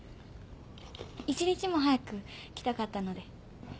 一日も早く来たかったので。